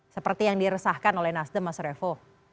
seperti yang diresahkan oleh nasdem mas revo